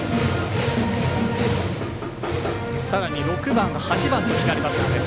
さらに６番、８番と左バッターです。